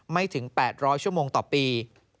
ไม่ถึง๘๐๐ชั่วโมงต่อปี